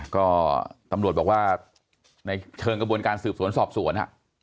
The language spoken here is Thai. ก็ตำรวจบอกว่าในเชิงกระบวนการสืบสวนสอบสวน